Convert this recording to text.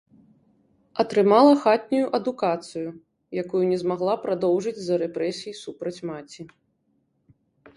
Атрымала хатнюю адукацыю, якую не змагла прадоўжыць з-за рэпрэсій супраць маці.